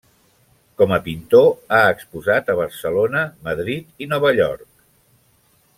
Com a pintor, ha exposat a Barcelona, Madrid i Nova York.